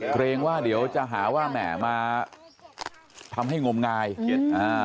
เกรงว่าเดี๋ยวจะหาว่าแหมมาทำให้งมงายอ่า